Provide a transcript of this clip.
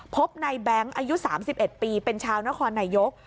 พบในแบงค์อายุ๓๑ปีเป็นชาวนครนายก